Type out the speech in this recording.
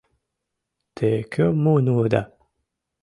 Те кӧм муын улыда?